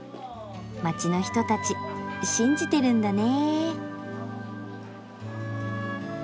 街の人たち信じてるんだね。